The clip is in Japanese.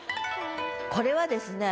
これはですね